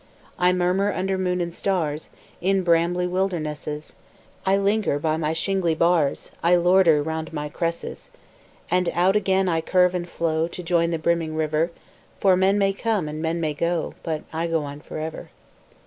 I murmur under moon and stars In brambly wildernesses; I linger by my shingly bars; I loiter round my cresses; And out again I curve and flow To join the brimming river, For men may come and men may go, But I go on for ever.